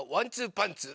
パンツー！」